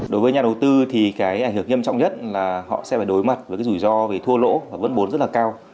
đối với nhà đầu tư thì cái ảnh hưởng nghiêm trọng nhất là họ sẽ phải đối mặt với cái rủi ro về thua lỗ và vẫn bốn rất là cao